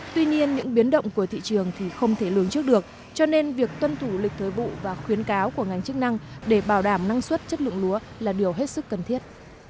tuy nhiên những biến động của thị trường thì không thể lường trước được cho nên việc tuân thủ lịch thời vụ và khuyến cáo của ngành chức năng để bảo đảm năng suất chất lượng lúa là điều hết sức cần thiết